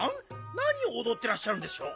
なにをおどってらっしゃるんでしょう？